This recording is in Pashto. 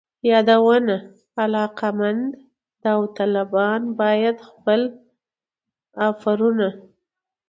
یادونه: علاقمند داوطلبان باید خپل آفرونه